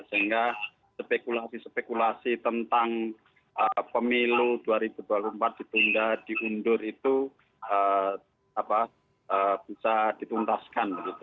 sehingga spekulasi spekulasi tentang pemilu dua ribu dua puluh empat ditunda diundur itu bisa dituntaskan